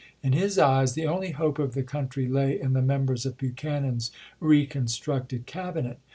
In his eyes the only hope of the country lay in the members of Buchanan's reconstructed Cabinet.